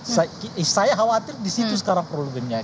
nah itu saya khawatir di situ sekarang perlu jadi